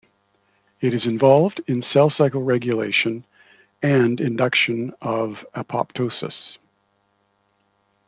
It is involved in cell cycle regulation, and induction of apoptosis.